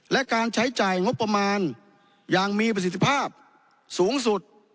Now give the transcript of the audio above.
และการใช้จ่ายงบประมาณอย่างมีประสิทธิภาพสูงสุด